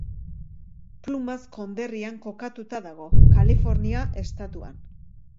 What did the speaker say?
Plumas konderrian kokatuta dago, Kalifornia estatuan.